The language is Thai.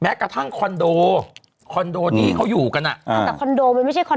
แม้กระทั่งคอนโดคอนโดนี้เขาอยู่กันอะ